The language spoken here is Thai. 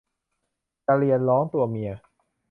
กระเรียนร้องตัวเมีย